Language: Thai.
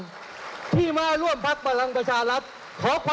ขอเรียนเชิญอดีตสอสอ